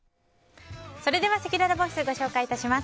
せきららボイスご紹介します。